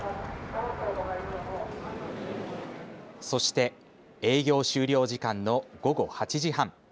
そして営業終了時間の午後８時半。